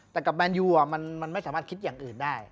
แต่กับแมนยูมันไม่สามารถคิดอย่างอื่นได้